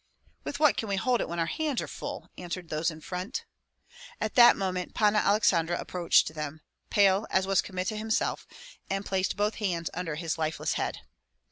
"With what can we hold it when our hands are full?" answered those in front. At that moment Panna Aleksandra approached them, pale as was Kmita himself, and placed both hands under his lifeless head.